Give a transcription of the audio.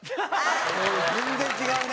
全然違うね！